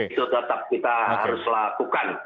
itu tetap kita harus lakukan